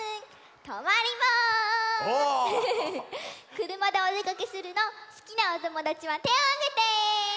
くるまでおでかけするのすきなおともだちはてをあげて！